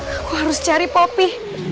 aku harus cari poppy